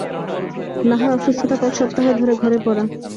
নাহয় অসুস্থতা, কয়েক সপ্তাহ ধরে ঘরে পড়া?